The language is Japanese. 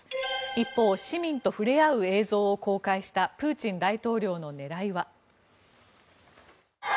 一方市民と触れ合う映像を公開したプーチン大統領の狙いは。